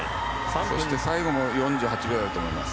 最後も４８秒だと思います。